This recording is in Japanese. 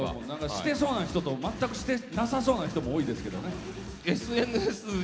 してそうな人と全くしてなさそうな人もいそうですけどね。